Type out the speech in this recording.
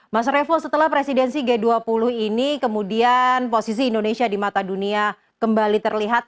mas revo setelah presidensi g dua puluh ini kemudian posisi indonesia di mata dunia kembali terlihat